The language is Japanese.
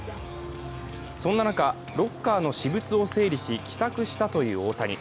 そんな中、ロッカーの私物を整理し帰宅したという大谷。